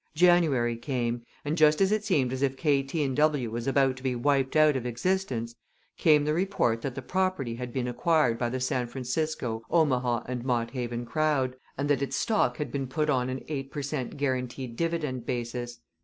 January came, and just as it seemed as if K., T. & W. was about to be wiped out of existence came the report that the property had been acquired by the San Francisco, Omaha & Mott Haven crowd, and that its stock had been put on an eight per cent. guaranteed dividend basis.